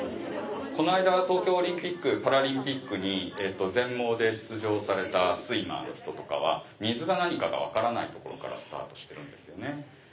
この間東京オリンピックパラリンピックに全盲で出場されたスイマーの人とかは水が何かが分からないところからスタートしてるんですよね。